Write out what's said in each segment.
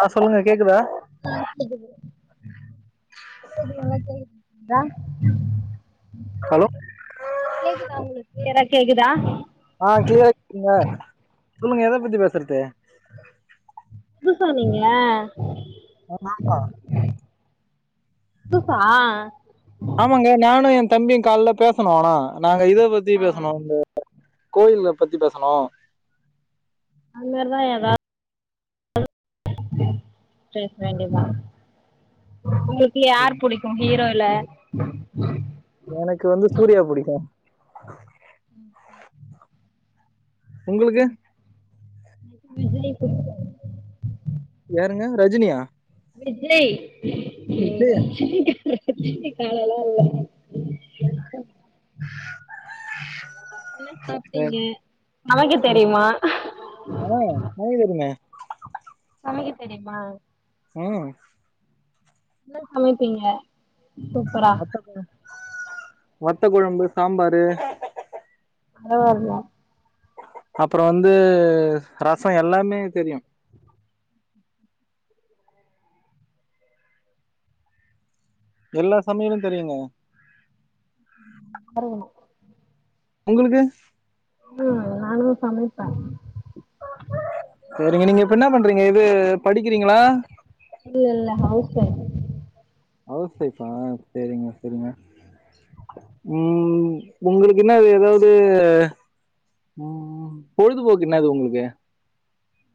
ஆ சொல்லுங்க கேக்குதா ஆ [unintelligible] [inaudible] ஹலோ கேக்குதா உங்களுக்கு க்ளியரா கேக்குதா ஆ கிளியரா கங்க சொல்லுங்க எத பத்தி பேசுறது புதுசா நீங்க என்னாங்கோ புதுசா ஆமாங்க நானு எ தம்பியு கால பேசுனோ ஆனா நாங்க இத பத்தி ஆ பேசுனோ ப்ரோ கோயில பத்தி பேசுனோ அந்மேரிதா ஏதா பேச வேண்டியதா [unintelligible] இதுல யார் புடிக்கு ஹீரோல எனக்கு வந்து சூர்யா புடிக்கு உங்களுக்கு விஜய் புடிக்கு யாருங்க ரஜினியா விஜய் [unintelligible] விஜய் [unintelligible] காலல்லா இல்ல என்ன சாப்ட்டீங்க சமைக்க தெரிமா ஆ சமைக்க தெரிமே சமைக்க தெரியுமா ம் என்ன சமைப்பீங்க சூப்பரா வத்த வத்த கொழம்பு சாம்பாரு பரவால்லா அப்பற வந்து ர எல்லாமே தெரியு எல்லா சமையலு தெரியுங்க வருக்கணு உங்களுக்கு ம் நானுமே சமைப்பே சரிங்க நீங்க இப்ப என்னா பண்றீங்க இது படிக்கிறீங்களா? இல்ல இல்ல ஹவுஸ் வைய்ப்ஃ ஹவுஸ் வைய்ப்ஃ பா சரிங்க சரிங்க ம் ஒங்களுக்கு என்னது ஏதாவது ம் பொழுதுபோக்கு என்னது ஒங்களுக்கு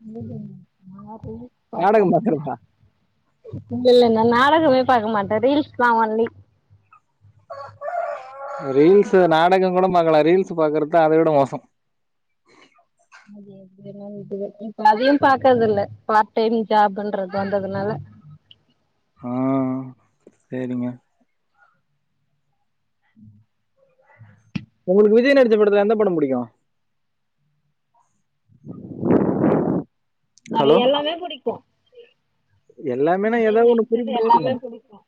மீட்டிங் மாறிப் நாடகம் பேட்டன் பாக்குறதா இல்ல இல்ல நா நாடகமே பாக்க மாட்டே ரீல்ஸ் தா ஒன்லி ரீல்ஸ்ஸு நாடகங் கூட பாக்கலா ரீல்ஸ் பாக்றது தா அத விட மோசோ இப்ப அதையு பாக்றது இல்ல பார்ட் டைம் ஜாப்ன்றது வந்ததுனால ஆ சேரிங்க ம் ஒங்களுக்கு விஜய் நடிச்ச படத்துல எந்த படோ பிடிக்கு ஹலோ நெறய எல்லாமே புடிக்கு எல்லாமேனா விஜய் ஏதாவது ஒண்ணு நடிச்சது குறிப்பிட்டு சொல்லுங்க எல்லாமே பிடிக்கு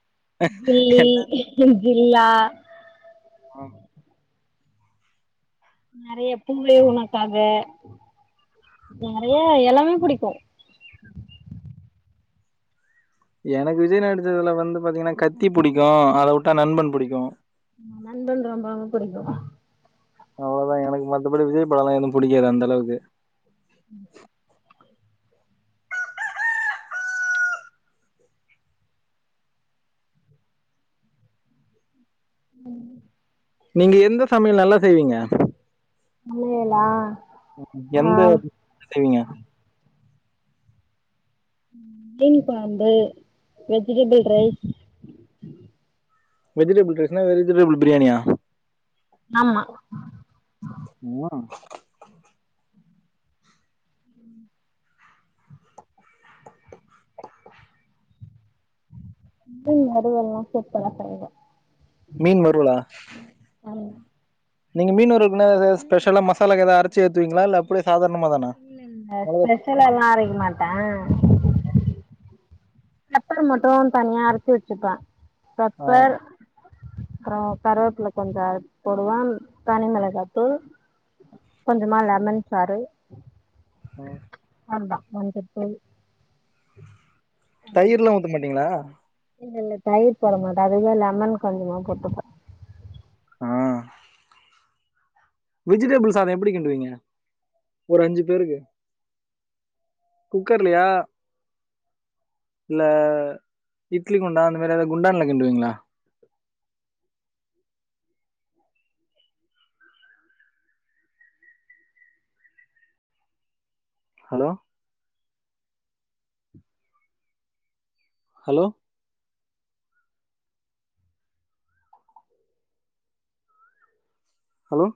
எல்லா கில்லி ஜில்லா நெறைய பூவே உனக்காக நெறையா எல்லாமே பிடிக்கு எனக்கு விஜய் நடிச்சதுல வந்து பாத்தீங்கன்னா கத்தி புடிக்கு அத விட்டா நண்பன் பிடிக்கு நண்பன் ரொம்ப ரொம்ப பிடிக்கு அவ்வளதா எனக்கு மத்தபடி விஜய் படோல்லா எதுவு பிடிக்காது அந்தளவுக்கு ம் ம் நீங்க எந்த சமையல் நல்லா செய்வீங்க சமையலா ஆ எந்த டிஷ் செய்வீங்க மீன் கொழம்பு வெஜிடபிள் ரைஸ் வெஜிடபிள் ரைஸ்னா வெஜிடபிள் பிரியாணியா ஆமா உவா டேய் அதுவெல்லா செப்பலா செய்வே மீன் வறுவல்லா ஆமா நீங்க மீன் வருவல் குன்னா எதாவது ஸ்பெஷலா மசாலாக்கு எதாவது அரைச்சு ஏத்துவீங்களா இல்ல அப்டியே சாதாரணமா தானா மெளகா மசாலால்லா அரைக்க மாட்டே பெப்பர் மட்டு தனியா அரச்சி வச்சுப்பே ஆ பெப்பர் அப்பறோ கருவேப்பில கொஞ்சோ அரச்சி போடுவே தனி மெளகா தூள் கொஞ்சமா லெமன் சாரு ஆ அவளதா மஞ்ச தூள் தயிர்ல்லா ஊத்த மாட்டீங்ளா இல்ல இல்ல தயிர் போட மாட்டே அதுக்குதா லெமன் கொஞ்சமா போட்டுப்பே ஆ வெஜிடபிள் சாதோ எப்டி கிண்டுவீங்க ஒரு அஞ்சி பேருக்கு குக்கர்லயா இல்ல இட்லி குண்டா அந்த மாரி ஏதாவது குண்டான்ல கிண்டுவீங்களா ஹலோ ஹலோ ஹலோ